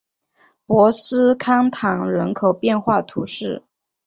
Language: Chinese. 博斯康坦人口变化图示